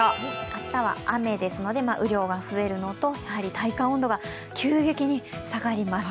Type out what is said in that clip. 明日は雨ですので雨量が増えるのと体感温度が急激に下がります。